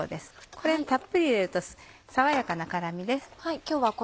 これたっぷり入れると爽やかな辛みです。